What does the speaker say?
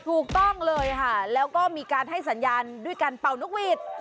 ถูกต้องเลยค่ะแล้วก็มีการให้สัญญาณด้วยการเป่านกหวีด